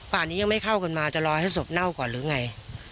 ป่านนี้ยังไม่เข้ากันมาจะรอให้ศพเน่าก่อนหรือไง